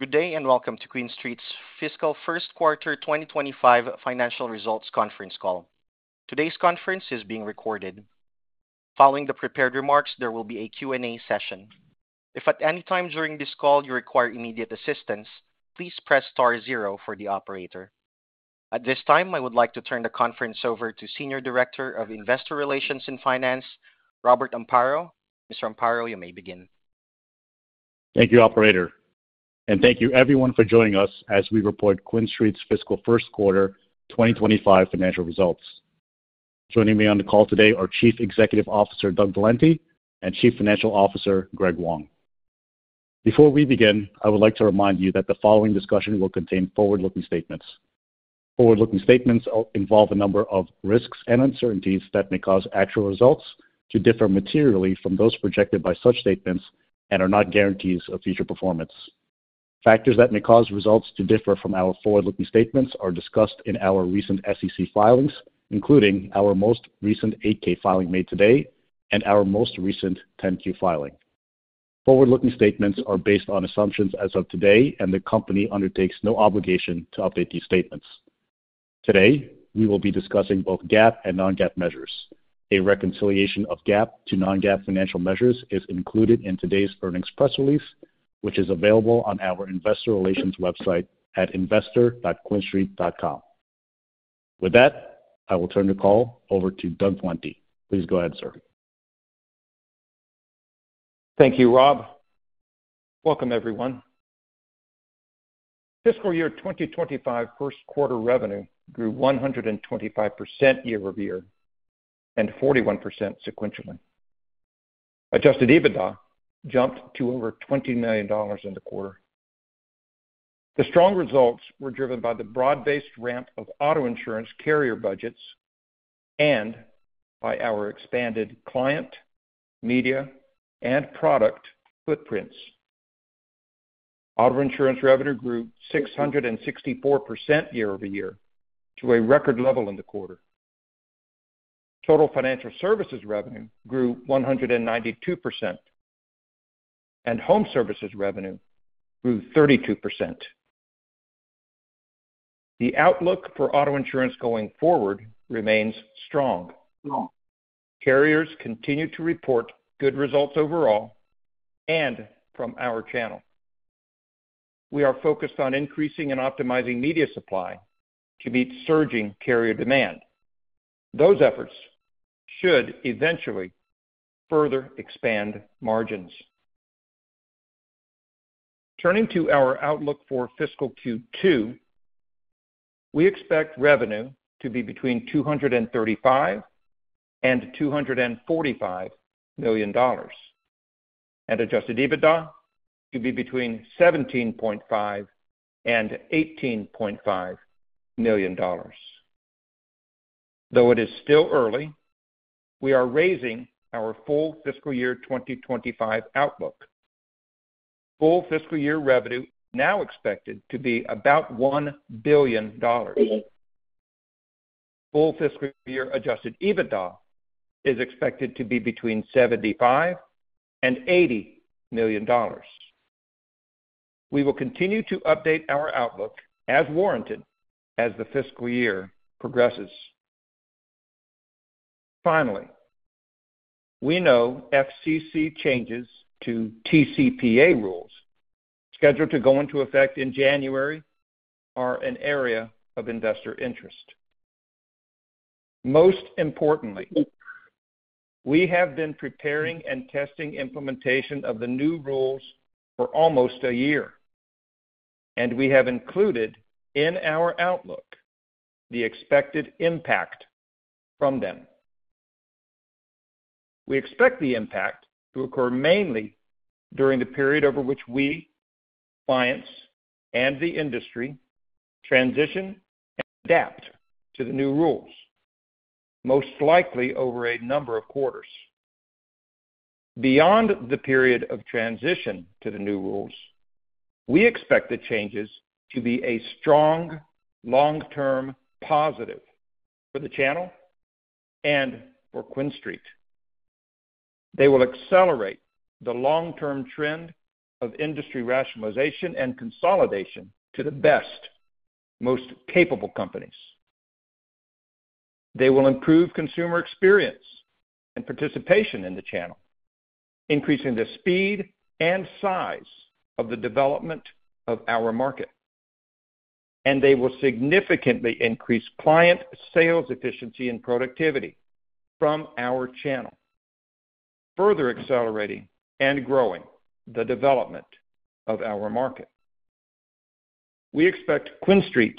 Good day and welcome to QuinStreet's Fiscal First Quarter 2025 Financial Results Conference Call. Today's conference is being recorded. Following the prepared remarks, there will be a Q&A session. If at any time during this call you require immediate assistance, please press star zero for the operator. At this time, I would like to turn the conference over to Senior Director of Investor Relations and Finance, Robert Amparo. Mr. Amparo, you may begin. Thank you, Operator, and thank you everyone for joining us as we report QuinStreet's Fiscal First Quarter 2025 financial results. Joining me on the call today are Chief Executive Officer Doug Valenti and Chief Financial Officer Greg Wong. Before we begin, I would like to remind you that the following discussion will contain forward-looking statements. Forward-looking statements involve a number of risks and uncertainties that may cause actual results to differ materially from those projected by such statements and are not guarantees of future performance. Factors that may cause results to differ from our forward-looking statements are discussed in our recent SEC filings, including our most recent 8-K filing made today and our most recent 10-Q filing. Forward-looking statements are based on assumptions as of today, and the company undertakes no obligation to update these statements. Today, we will be discussing both GAAP and non-GAAP measures. A reconciliation of GAAP to non-GAAP financial measures is included in today's earnings press release, which is available on our Investor Relations website at investor.quinstreet.com. With that, I will turn the call over to Doug Valenti. Please go ahead, sir. Thank you, Rob. Welcome, everyone. Fiscal year 2025 first quarter revenue grew 125% year over year and 41% sequentially. Adjusted EBITDA jumped to over $20 million in the quarter. The strong results were driven by the broad-based ramp of auto insurance carrier budgets and by our expanded client, media, and product footprints. Auto insurance revenue grew 664% year-over-year to a record level in the quarter. Total financial services revenue grew 192%, and home services revenue grew 32%. The outlook for auto insurance going forward remains strong. Carriers continue to report good results overall and from our channel. We are focused on increasing and optimizing media supply to meet surging carrier demand. Those efforts should eventually further expand margins. Turning to our outlook for fiscal Q2, we expect revenue to be between $235million and $245 million and adjusted EBITDA to be between $17.5million and $18.5 million. Though it is still early, we are raising our full fiscal year 2025 outlook. Full fiscal year revenue is now expected to be about $1 billion. Full fiscal year adjusted EBITDA is expected to be between $75 million and $80 million. We will continue to update our outlook as warranted as the fiscal year progresses. Finally, we know FCC changes to TCPA rules scheduled to go into effect in January are an area of investor interest. Most importantly, we have been preparing and testing implementation of the new rules for almost a year, and we have included in our outlook the expected impact from them. We expect the impact to occur mainly during the period over which we, clients, and the industry transition and adapt to the new rules, most likely over a number of quarters. Beyond the period of transition to the new rules, we expect the changes to be a strong long-term positive for the channel and for QuinStreet. They will accelerate the long-term trend of industry rationalization and consolidation to the best, most capable companies. They will improve consumer experience and participation in the channel, increasing the speed and size of the development of our market, and they will significantly increase client sales efficiency and productivity from our channel, further accelerating and growing the development of our market. We expect QuinStreet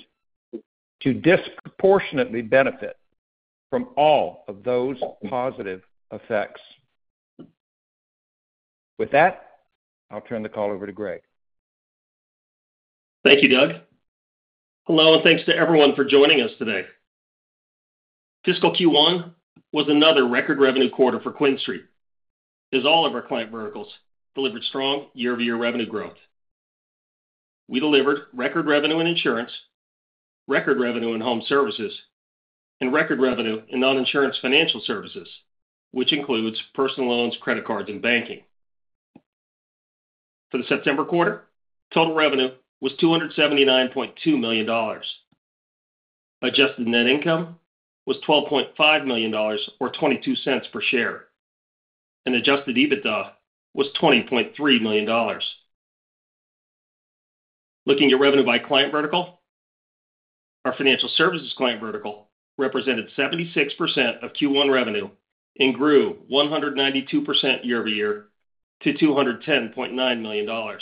to disproportionately benefit from all of those positive effects. With that, I'll turn the call over to Greg. Thank you, Doug. Hello, and thanks to everyone for joining us today. Fiscal Q1 was another record revenue quarter for QuinStreet, as all of our client verticals delivered strong year-over-year revenue growth. We delivered record revenue in insurance, record revenue in home services, and record revenue in non-insurance financial services, which includes personal loans, credit cards, and banking. For the September quarter, total revenue was $279.2 million. Adjusted net income was $12.5 million, or $0.22 per share, and adjusted EBITDA was $20.3 million. Looking at revenue by client vertical, our financial services client vertical represented 76% of Q1 revenue and grew 192% year-over-year to $210.9 million.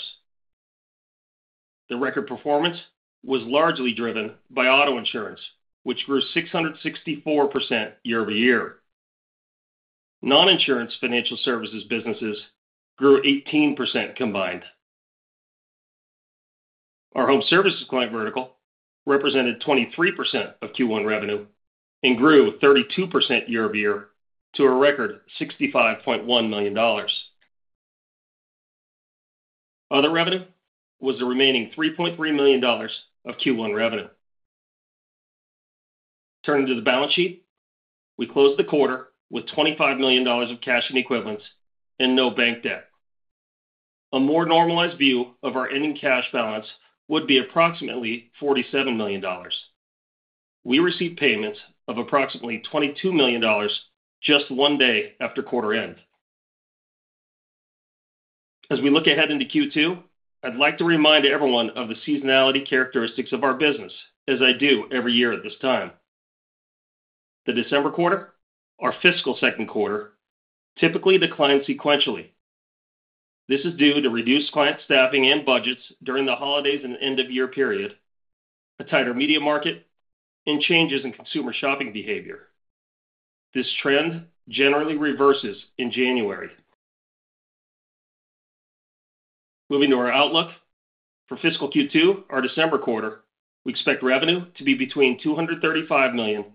The record performance was largely driven by auto insurance, which grew 664% year-over-year. Non-insurance financial services businesses grew 18% combined. Our Home services client vertical represented 23% of Q1 revenue and grew 32% year-over-year to a record $65.1 million. Other revenue was the remaining $3.3 million of Q1 revenue. Turning to the balance sheet, we closed the quarter with $25 million of cash and equivalents and no bank debt. A more normalized view of our ending cash balance would be approximately $47 million. We received payments of approximately $22 million just one day after quarter end. As we look ahead into Q2, I'd like to remind everyone of the seasonality characteristics of our business, as I do every year at this time. The December quarter, our fiscal second quarter, typically declined sequentially. This is due to reduced client staffing and budgets during the holidays and end-of-year period, a tighter media market, and changes in consumer shopping behavior. This trend generally reverses in January. Moving to our outlook for fiscal Q2, our December quarter, we expect revenue to be between $235 million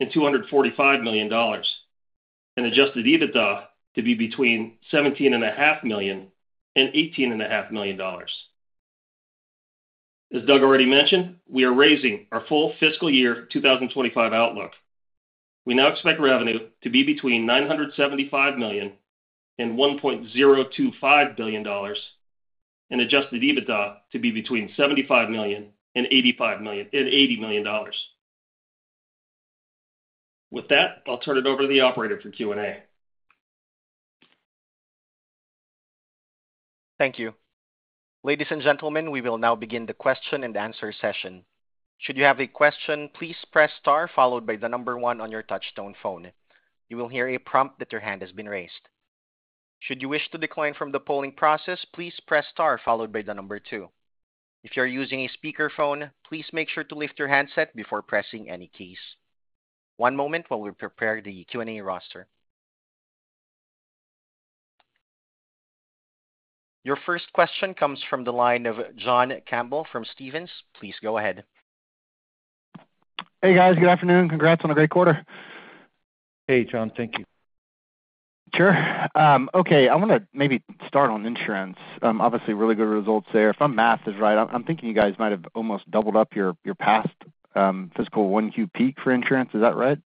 and $245 million, and adjusted EBITDA to be between $17.5 million and $18.5 million. As Doug already mentioned, we are raising our full fiscal year 2025 outlook. We now expect revenue to be between $975 million and $1.025 billion, and adjusted EBITDA to be between $75 million and $80 million. With that, I'll turn it over to the Operator for Q&A. Thank you. Ladies and gentlemen, we will now begin the question and answer session. Should you have a question, please press star followed by the number one on your touch-tone phone. You will hear a prompt that your hand has been raised. Should you wish to decline from the polling process, please press star followed by the number two. If you are using a speakerphone, please make sure to lift your handset before pressing any keys. One moment while we prepare the Q&A roster. Your first question comes from the line of John Campbell from Stephens. Please go ahead. Hey, guys. Good afternoon. Congrats on a great quarter. Hey, John. Thank you. Sure. Okay. I want to maybe start on insurance. Obviously, really good results there. If I'm mathed right, I'm thinking you guys might have almost doubled up your past fiscal 1Q peak for insurance. Is that right?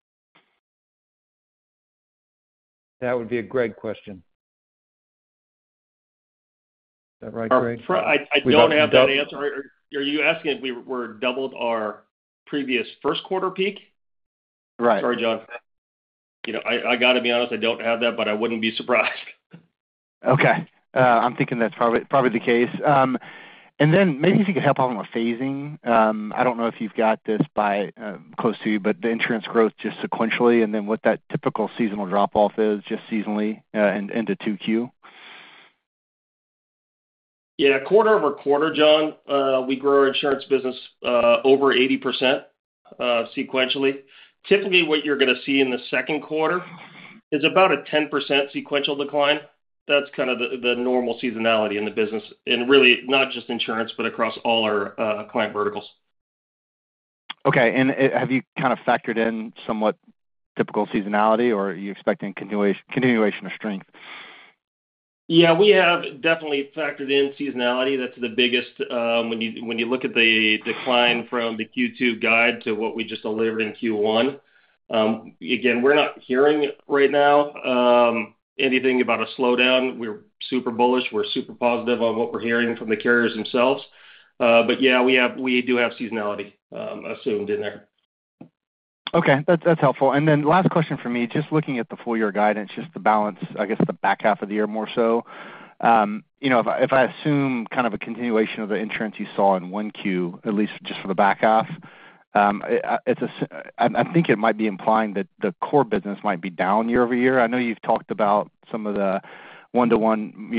That would be a Greg question. Is that right, Greg? I don't have that answer. Are you asking if we doubled our previous first quarter peak? Right. Sorry, John. I got to be honest, I don't have that, but I wouldn't be surprised. Okay. I'm thinking that's probably the case, and then maybe if you could help out on the phasing. I don't know if you've got this close to you, but the insurance growth just sequentially and then what that typical seasonal drop-off is just seasonally into 2Q. Yeah. Quarter over quarter, John, we grow our insurance business over 80% sequentially. Typically, what you're going to see in the second quarter is about a 10% sequential decline. That's kind of the normal seasonality in the business, and really not just insurance, but across all our client verticals. Okay. And have you kind of factored in somewhat typical seasonality, or are you expecting continuation of strength? Yeah. We have definitely factored in seasonality. That's the biggest. When you look at the decline from the Q2 guide to what we just delivered in Q1, again, we're not hearing right now anything about a slowdown. We're super bullish. We're super positive on what we're hearing from the carriers themselves. But yeah, we do have seasonality assumed in there. Okay. That's helpful. And then last question for me, just looking at the full year guidance, just the balance, I guess the back half of the year more so. If I assume kind of a continuation of the insurance you saw in Q1, at least just for the back half, I think it might be implying that the core business might be down year over year. I know you've talked about some of the one-to-one,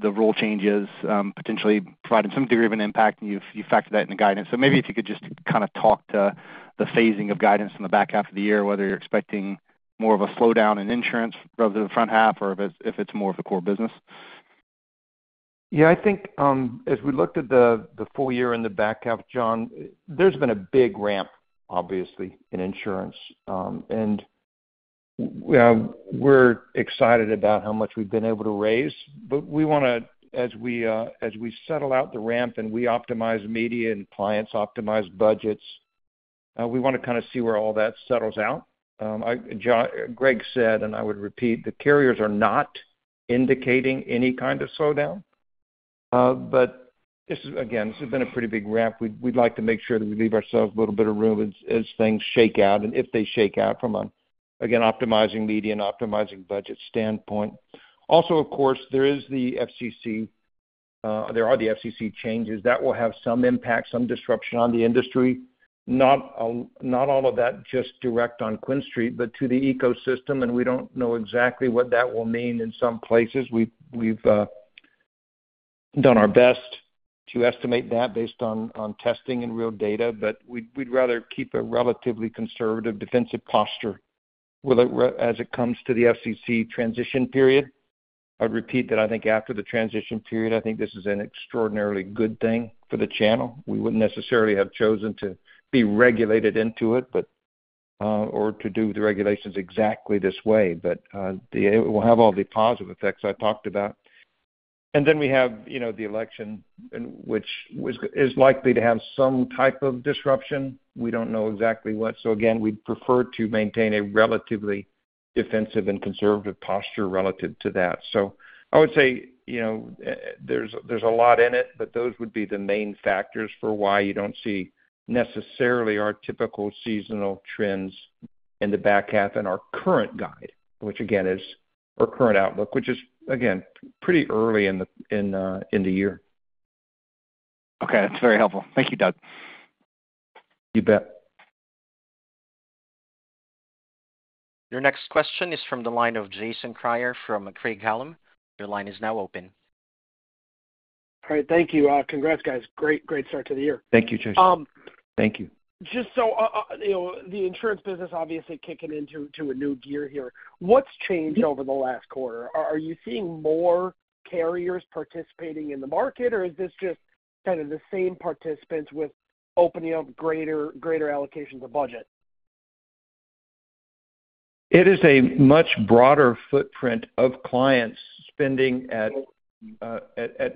the rule changes potentially providing some degree of an impact, and you factored that in the guidance. So maybe if you could just kind of talk to the phasing of guidance in the back half of the year, whether you're expecting more of a slowdown in insurance rather than the front half, or if it's more of the core business. Yeah. I think as we looked at the full year in the back half, John, there's been a big ramp, obviously, in insurance. And we're excited about how much we've been able to raise, but we want to, as we settle out the ramp and we optimize media and clients optimize budgets, we want to kind of see where all that settles out. Greg said, and I would repeat, the carriers are not indicating any kind of slowdown. But again, this has been a pretty big ramp. We'd like to make sure that we leave ourselves a little bit of room as things shake out, and if they shake out from an, again, optimizing media and optimizing budget standpoint. Also, of course, there are the FCC changes that will have some impact, some disruption on the industry. Not all of that just direct on QuinStreet, but to the ecosystem, and we don't know exactly what that will mean in some places. We've done our best to estimate that based on testing and real data, but we'd rather keep a relatively conservative defensive posture as it comes to the FCC transition period. I'd repeat that I think after the transition period, I think this is an extraordinarily good thing for the channel. We wouldn't necessarily have chosen to be regulated into it or to do the regulations exactly this way, but it will have all the positive effects I talked about. And then we have the election, which is likely to have some type of disruption. We don't know exactly what. So again, we'd prefer to maintain a relatively defensive and conservative posture relative to that. So I would say there's a lot in it, but those would be the main factors for why you don't see necessarily our typical seasonal trends in the back half in our current guide, which again is our current outlook, which is, again, pretty early in the year. Okay. That's very helpful. Thank you, Doug. You bet. Your next question is from the line of Jason Kreyer from Craig-Hallum. Your line is now open. All right. Thank you. Congrats, guys. Great, great start to the year. Thank you, Jason. Thank you. Just so the insurance business, obviously, kicking into a new gear here. What's changed over the last quarter? Are you seeing more carriers participating in the market, or is this just kind of the same participants with opening up greater allocations of budget? It is a much broader footprint of clients spending at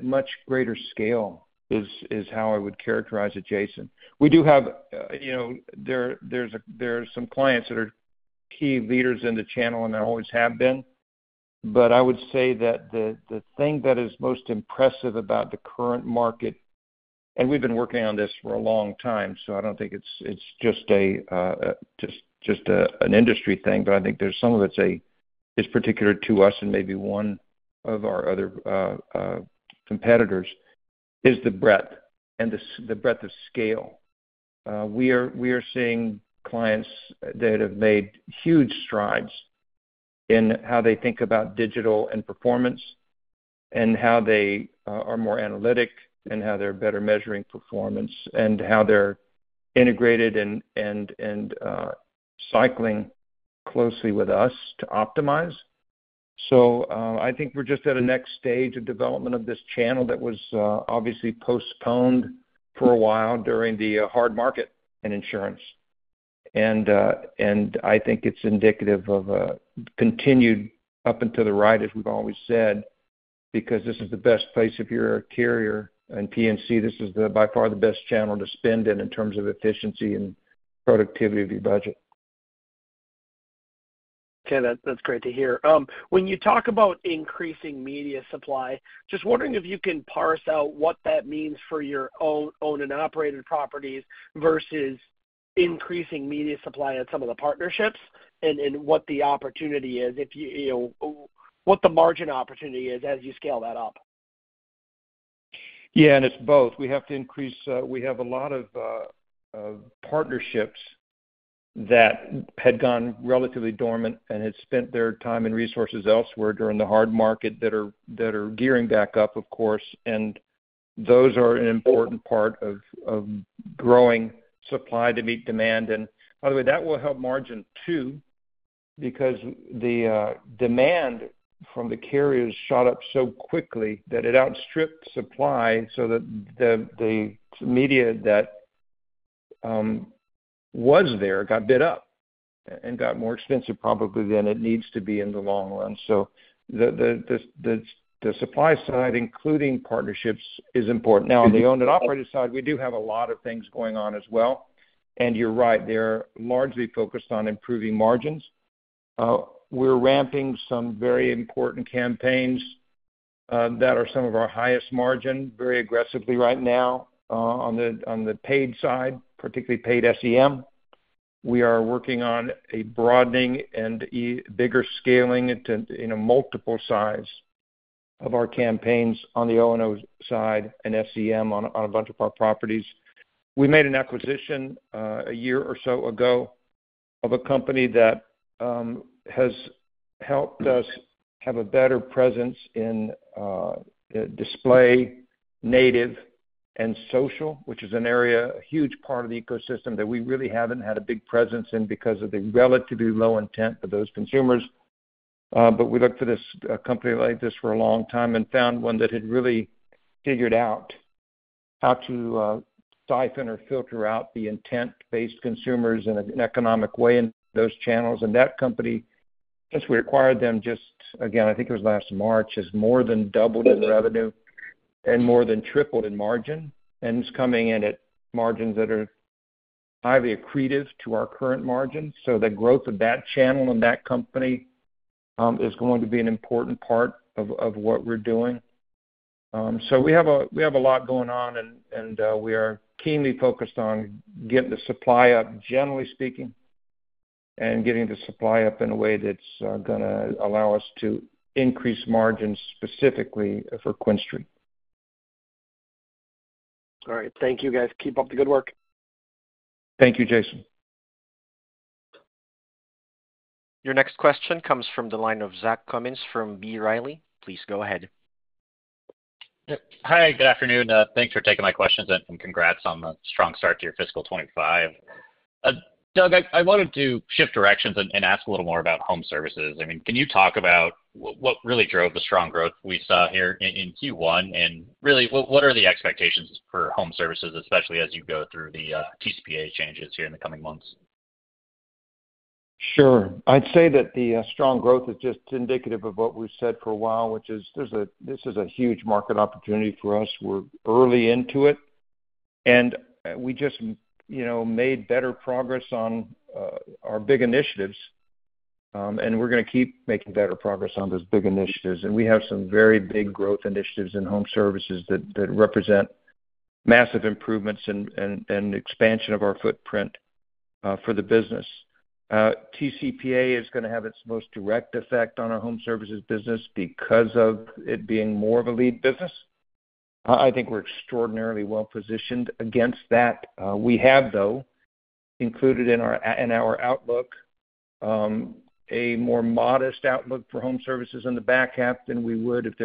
much greater scale is how I would characterize it, Jason. We do have some clients that are key leaders in the channel and always have been. But I would say that the thing that is most impressive about the current market, and we've been working on this for a long time, so I don't think it's just an industry thing, but I think there's some of it's particular to us and maybe one of our other competitors, is the breadth of scale. We are seeing clients that have made huge strides in how they think about digital and performance and how they are more analytic and how they're better measuring performance and how they're integrated and cycling closely with us to optimize. So, I think we're just at a next stage of development of this channel that was obviously postponed for a while during the hard market in insurance. And I think it's indicative of continued up and to the right, as we've always said, because this is the best place if you're a carrier and P&C. This is by far the best channel to spend in terms of efficiency and productivity of your budget. Okay. That's great to hear. When you talk about increasing media supply, just wondering if you can parse out what that means for your owned and operated properties versus increasing media supply at some of the partnerships and what the opportunity is, what the margin opportunity is as you scale that up? Yeah. And it's both. We have to increase. We have a lot of partnerships that had gone relatively dormant and had spent their time and resources elsewhere during the hard market that are gearing back up, of course. And those are an important part of growing supply to meet demand. And by the way, that will help margin too because the demand from the carriers shot up so quickly that it outstripped supply so that the media that was there got bid up and got more expensive probably than it needs to be in the long run. So the supply side, including partnerships, is important. Now, on the owned and operated side, we do have a lot of things going on as well. And you're right. They're largely focused on improving margins. We're ramping some very important campaigns that are some of our highest margin very aggressively right now on the paid side, particularly paid SEM. We are working on a broadening and bigger scaling in a multiple size of our campaigns on the O&O side and SEM on a bunch of our properties. We made an acquisition a year or so ago of a company that has helped us have a better presence in display, native, and social, which is a huge part of the ecosystem that we really haven't had a big presence in because of the relatively low intent for those consumers. But we looked for this company like this for a long time and found one that had really figured out how to siphon or filter out the intent-based consumers in an economic way in those channels. And that company, since we acquired them just, again, I think it was last March, has more than doubled in revenue and more than tripled in margin and is coming in at margins that are highly accretive to our current margins. So the growth of that channel and that company is going to be an important part of what we're doing. So we have a lot going on, and we are keenly focused on getting the supply up, generally speaking, and getting the supply up in a way that's going to allow us to increase margins specifically for QuinStreet. All right. Thank you, guys. Keep up the good work. Thank you, Jason. Your next question comes from the line of Zach Cummins from B. Riley. Please go ahead. Hi. Good afternoon. Thanks for taking my questions and congrats on a strong start to your fiscal 2025. Doug, I wanted to shift directions and ask a little more about home services. I mean, can you talk about what really drove the strong growth we saw here in Q1? And really, what are the expectations for home services, especially as you go through the TCPA changes here in the coming months? Sure. I'd say that the strong growth is just indicative of what we've said for a while, which is this is a huge market opportunity for us. We're early into it, and we just made better progress on our big initiatives, and we're going to keep making better progress on those big initiatives, and we have some very big growth initiatives in home services that represent massive improvements and expansion of our footprint for the business. TCPA is going to have its most direct effect on our home services business because of it being more of a lead business. I think we're extraordinarily well positioned against that. We have, though, included in our outlook a more modest outlook for home services in the back half than we would if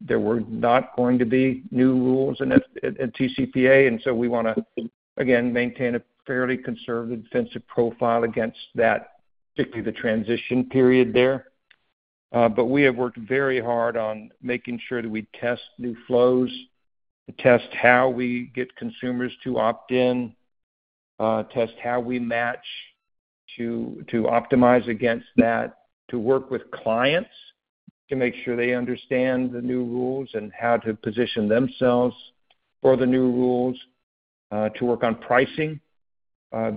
there were not going to be new rules in TCPA. And so we want to, again, maintain a fairly conservative defensive profile against that, particularly the transition period there. But we have worked very hard on making sure that we test new flows, test how we get consumers to opt in, test how we match to optimize against that, to work with clients to make sure they understand the new rules and how to position themselves for the new rules, to work on pricing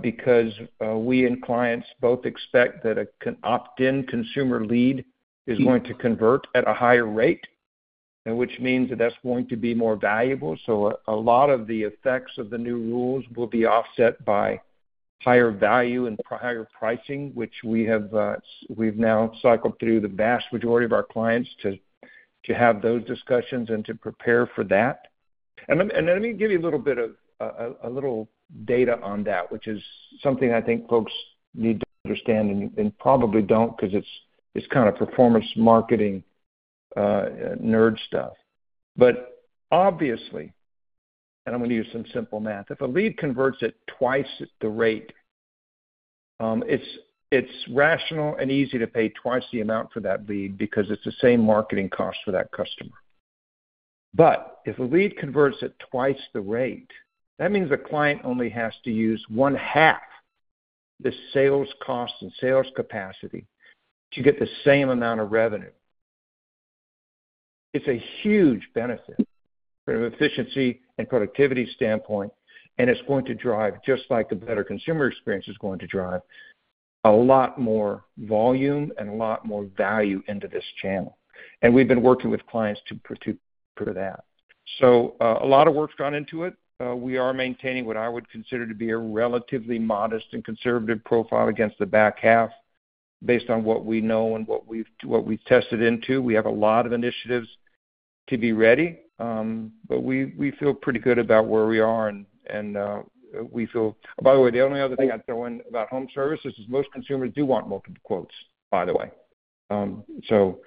because we and clients both expect that an opt-in consumer lead is going to convert at a higher rate, which means that that's going to be more valuable. So a lot of the effects of the new rules will be offset by higher value and higher pricing, which we have now cycled through the vast majority of our clients to have those discussions and to prepare for that. Let me give you a little bit of data on that, which is something I think folks need to understand and probably don't because it's kind of performance marketing nerd stuff. Obviously, and I'm going to use some simple math, if a lead converts at twice the rate, it's rational and easy to pay twice the amount for that lead because it's the same marketing cost for that customer. If a lead converts at twice the rate, that means the client only has to use one half the sales cost and sales capacity to get the same amount of revenue. It's a huge benefit from an efficiency and productivity standpoint, and it's going to drive, just like a better consumer experience is going to drive, a lot more volume and a lot more value into this channel. And we've been working with clients to prove that. So a lot of work's gone into it. We are maintaining what I would consider to be a relatively modest and conservative profile against the back half based on what we know and what we've tested into. We have a lot of initiatives to be ready, but we feel pretty good about where we are. And we feel by the way, the only other thing I'd throw in about home services is most consumers do want multiple quotes, by the way. So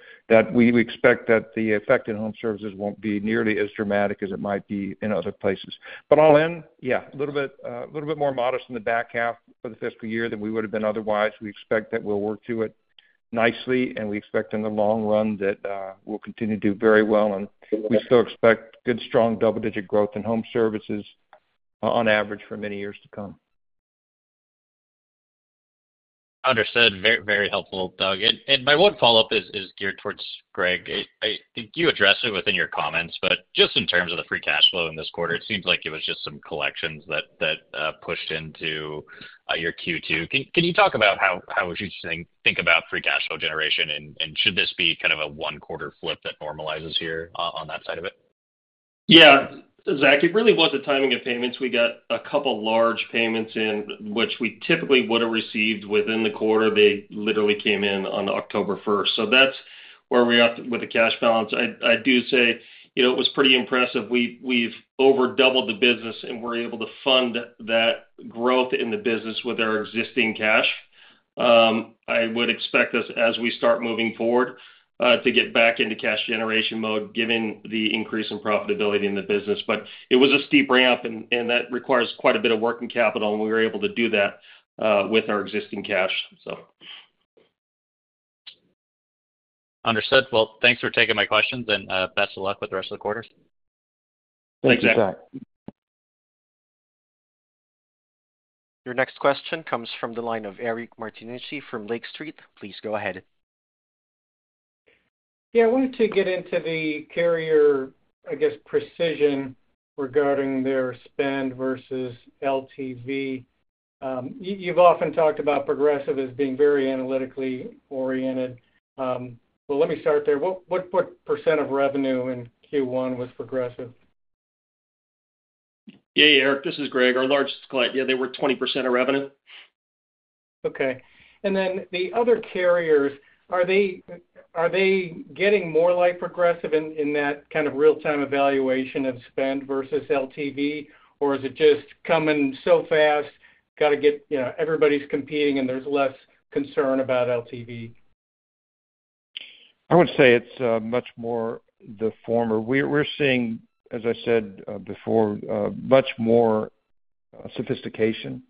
we expect that the effect in home services won't be nearly as dramatic as it might be in other places. But all in, yeah, a little bit more modest in the back half of the fiscal year than we would have been otherwise. We expect that we'll work through it nicely, and we expect in the long run that we'll continue to do very well, and we still expect good, strong double-digit growth in home services on average for many years to come. Understood. Very helpful, Doug. And my one follow-up is geared towards Greg. I think you addressed it within your comments, but just in terms of the free cash flow in this quarter, it seems like it was just some collections that pushed into your Q2. Can you talk about how you think about free cash flow generation, and should this be kind of a one-quarter flip that normalizes here on that side of it? Yeah. Zach, it really was the timing of payments. We got a couple of large payments in, which we typically would have received within the quarter. They literally came in on October 1st. So that's where we are with the cash balance. I do say it was pretty impressive. We've overdoubled the business, and we're able to fund that growth in the business with our existing cash. I would expect us, as we start moving forward, to get back into cash generation mode given the increase in profitability in the business. But it was a steep ramp, and that requires quite a bit of working capital, and we were able to do that with our existing cash, so. Understood. Well, thanks for taking my questions, and best of luck with the rest of the quarters. Thanks, Zach. Your next question comes from the line of Eric Martinuzzi from Lake Street. Please go ahead. Yeah. I wanted to get into the carrier, I guess, precision regarding their spend versus LTV. You've often talked about Progressive as being very analytically oriented. Well, let me start there. What % of revenue in Q1 was Progressive? Yeah. Yeah, Eric, this is Greg. Our largest client. Yeah, they were 20% of revenue. Okay. And then the other carriers, are they getting more like Progressive in that kind of real-time evaluation of spend versus LTV, or is it just coming so fast, got to get everybody's competing, and there's less concern about LTV? I would say it's much more the former. We're seeing, as I said before, much more sophistication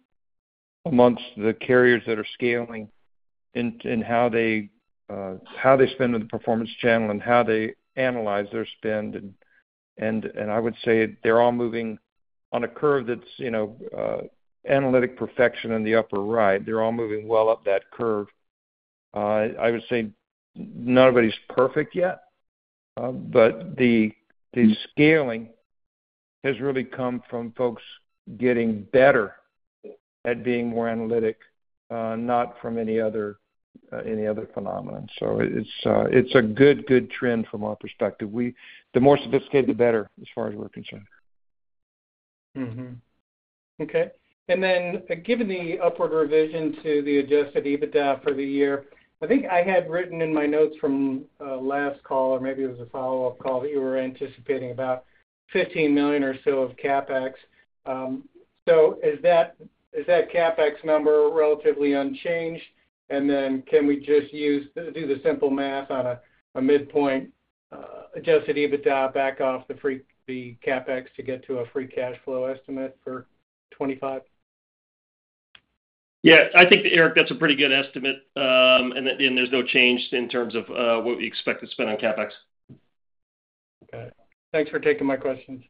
amongst the carriers that are scaling in how they spend in the performance channel and how they analyze their spend. And I would say they're all moving on a curve that's analytic perfection in the upper right. They're all moving well up that curve. I would say nobody's perfect yet, but the scaling has really come from folks getting better at being more analytic, not from any other phenomenon. So it's a good, good trend from our perspective. The more sophisticated, the better as far as we're concerned. Okay, and then given the upward revision to the adjusted EBITDA for the year, I think I had written in my notes from last call, or maybe it was a follow-up call that you were anticipating about $15 million or so of CapEx. So is that CapEx number relatively unchanged? And then can we just do the simple math on a midpoint adjusted EBITDA back off the CapEx to get to a free cash flow estimate for 2025? Yeah. I think, Eric, that's a pretty good estimate, and there's no change in terms of what we expect to spend on CapEx. Okay. Thanks for taking my questions.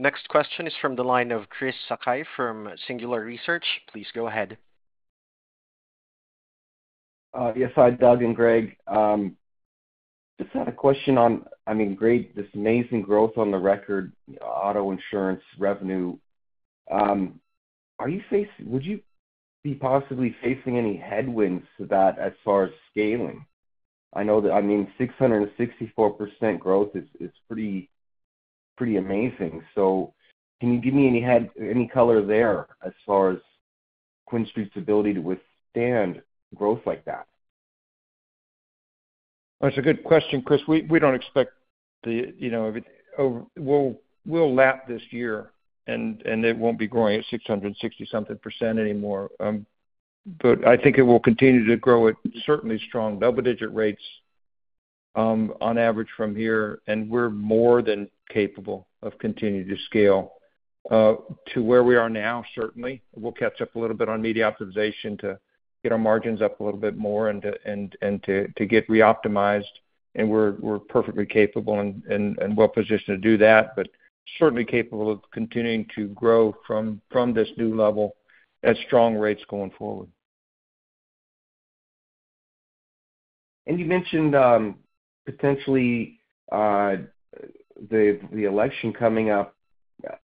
Next question is from the line of Chris Sakai from Singular Research. Please go ahead. Yes. Hi, Doug and Greg. Just had a question on, I mean, great, this amazing growth on the record auto insurance revenue. Are you possibly facing any headwinds to that as far as scaling? I mean, 664% growth is pretty amazing. So can you give me any color there as far as QuinStreet's ability to withstand growth like that? That's a good question, Chris. We don't expect that we'll lap this year, and it won't be growing at 660-something percent anymore. But I think it will continue to grow at certainly strong double-digit rates on average from here, and we're more than capable of continuing to scale to where we are now, certainly. We'll catch up a little bit on media optimization to get our margins up a little bit more and to get re-optimized, and we're perfectly capable and well-positioned to do that, but certainly capable of continuing to grow from this new level at strong rates going forward. You mentioned potentially the election coming up.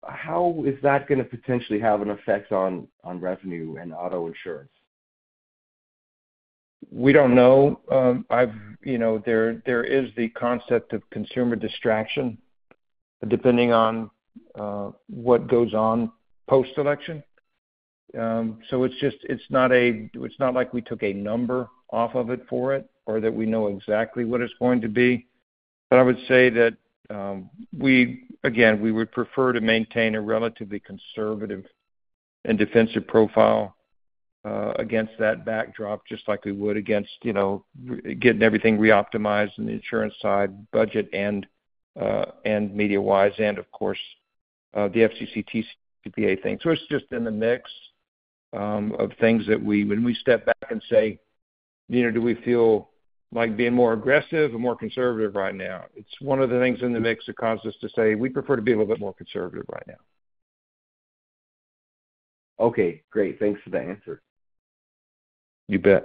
How is that going to potentially have an effect on revenue and auto insurance? We don't know. There is the concept of consumer distraction depending on what goes on post-election. So it's not like we took a number off of it for it or that we know exactly what it's going to be. But I would say that, again, we would prefer to maintain a relatively conservative and defensive profile against that backdrop, just like we would against getting everything re-optimized on the insurance side budget and media-wise and, of course, the FCC TCPA thing. So it's just in the mix of things that when we step back and say, "Do we feel like being more aggressive or more conservative right now?" It's one of the things in the mix that causes us to say, "We prefer to be a little bit more conservative right now. Okay. Great. Thanks for the answer. You bet.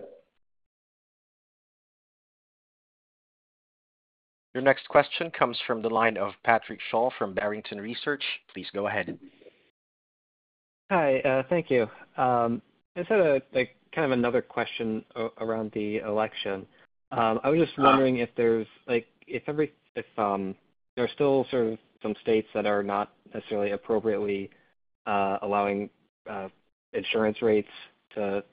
Your next question comes from the line of Patrick Sholl from Barrington Research. Please go ahead. Hi. Thank you. I just had kind of another question around the election. I was just wondering if there's still sort of some states that are not necessarily appropriately allowing insurance rates to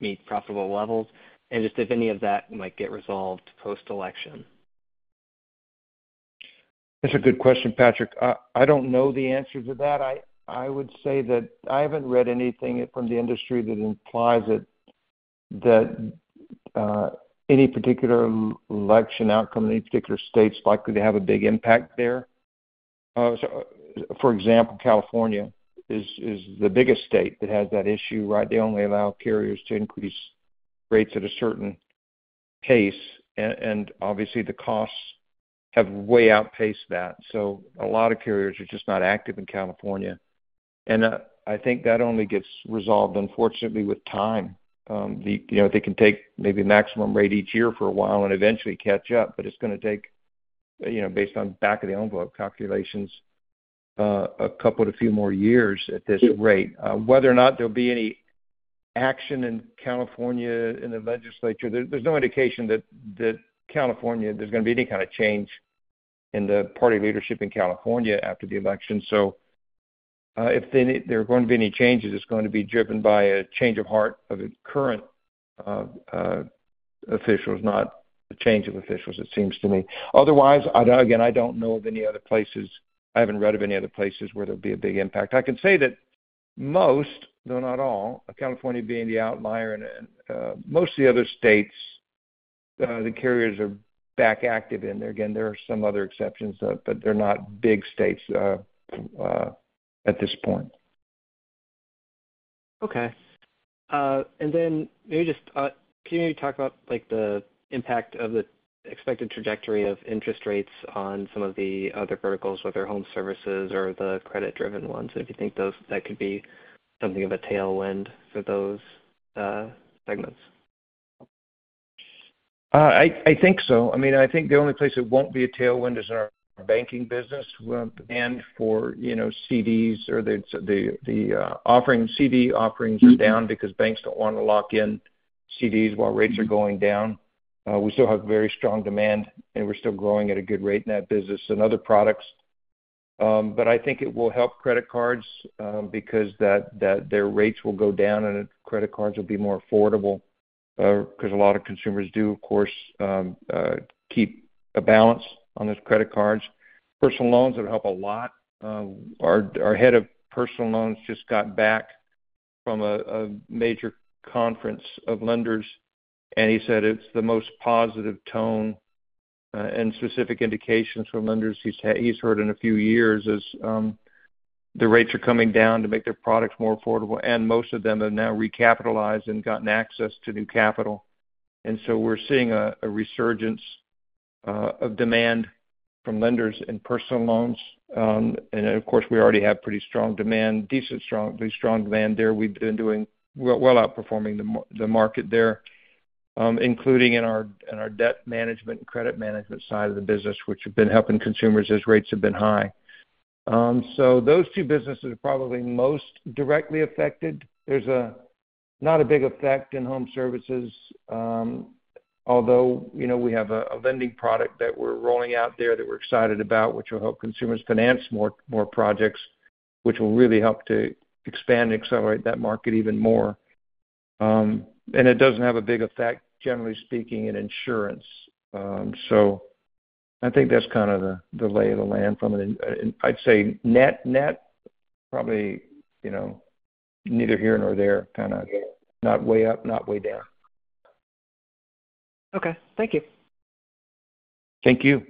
meet profitable levels, and just if any of that might get resolved post-election? That's a good question, Patrick. I don't know the answer to that. I would say that I haven't read anything from the industry that implies that any particular election outcome in any particular state is likely to have a big impact there. For example, California is the biggest state that has that issue, right? They only allow carriers to increase rates at a certain pace, and obviously, the costs have way outpaced that. So a lot of carriers are just not active in California. And I think that only gets resolved, unfortunately, with time. They can take maybe maximum rate each year for a while and eventually catch up, but it's going to take, based on back-of-the-envelope calculations, a couple to few more years at this rate. Whether or not there'll be any action in California in the legislature, there's no indication that there's going to be any kind of change in the party leadership in California after the election. So if there are going to be any changes, it's going to be driven by a change of heart of current officials, not a change of officials, it seems to me. Otherwise, again, I don't know of any other places. I haven't read of any other places where there'll be a big impact. I can say that most, though not all, California being the outlier, and most of the other states, the carriers are back active in there. Again, there are some other exceptions, but they're not big states at this point. Okay, and then maybe just can you talk about the impact of the expected trajectory of interest rates on some of the other verticals, whether home services or the credit-driven ones? If you think that could be something of a tailwind for those segments. I think so. I mean, I think the only place it won't be a tailwind is in our banking business and for CDs or the offering. CD offerings are down because banks don't want to lock in CDs while rates are going down. We still have very strong demand, and we're still growing at a good rate in that business and other products. But I think it will help credit cards because their rates will go down, and credit cards will be more affordable because a lot of consumers do, of course, keep a balance on those credit cards. Personal loans would help a lot. Our head of personal loans just got back from a major conference of lenders, and he said it's the most positive tone and specific indications from lenders he's heard in a few years as the rates are coming down to make their products more affordable. Most of them have now recapitalized and gotten access to new capital. We're seeing a resurgence of demand from lenders in personal loans. Of course, we already have pretty strong demand, decently strong demand there. We've been doing well, outperforming the market there, including in our debt management and credit management side of the business, which have been helping consumers as rates have been high. Those two businesses are probably most directly affected. There's not a big effect in home services, although we have a lending product that we're rolling out there that we're excited about, which will help consumers finance more projects, which will really help to expand and accelerate that market even more. It doesn't have a big effect, generally speaking, in insurance. I think that's kind of the lay of the land from an, I'd say, net probably neither here nor there, kind of not way up, not way down. Okay. Thank you. Thank you.